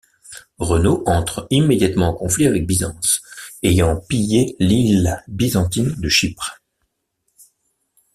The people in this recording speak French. Renaud entre immédiatement en conflit avec Byzance, ayant pillé l'île byzantine de Chypre.